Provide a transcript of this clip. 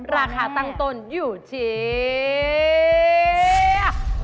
ราคาตั้งต้นอยู่ที่๔๙บาท